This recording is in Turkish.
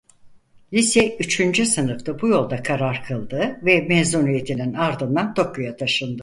Lise üçüncü sınıfta bu yolda karar kıldı ve mezuniyetinin ardından Tokyo'ya taşındı.